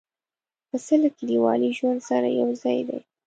پسه له کلیوالي ژوند سره یو ځای دی.